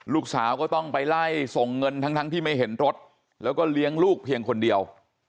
ลูกสาวก็ต้องไปไล่ส่งเงินทั้งที่ไม่เห็นรถแล้วก็เลี้ยงลูกเพียงคนเดียว